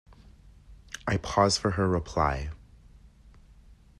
I pause for her reply.